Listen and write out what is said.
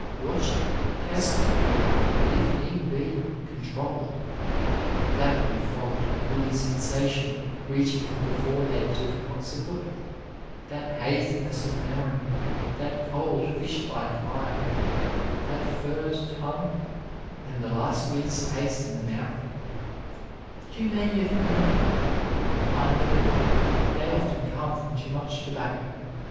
Watch it, test it, and if need be, control it. That befogged, woolly sensation reach ing from the forehead to the occiput, that haziness of memory, that cold fish like eye, that furred tongue, and last week s taste in the mouth too many of you know them I know them they often come from too much tobacco.